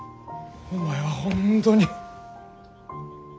お前は本当に。